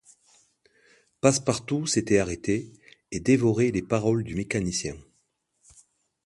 Passepartout s’était arrêté, et dévorait les paroles du mécanicien.